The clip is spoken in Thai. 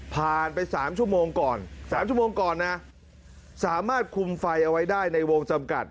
ผ่านไป๓ชั่วโมงก่อน๓ชั่วโมงก่อนนะสามารถคุมไฟเอาไว้ได้ในวงจำกัด